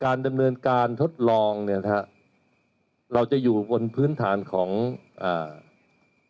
ดำเนินการทดลองเนี้ยนะฮะเราจะอยู่บนพื้นฐานของอ่า